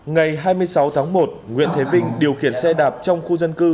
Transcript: ngày hai mươi sáu tháng một nguyễn thế vinh điều khiển xe đạp trong khu dân cư